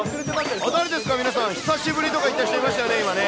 誰ですか皆さん、久しぶりとか言った人いましたね。